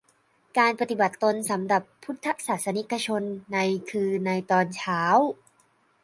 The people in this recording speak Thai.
การปฏิบัติตนสำหรับพุทธศาสนิกชนใน คือ ในตอนเช้า